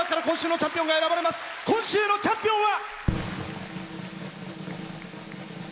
今週のチャンピオンは。